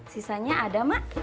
sisanya ada mak